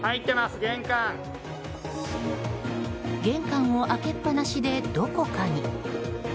玄関を開けっぱなしでどこかに。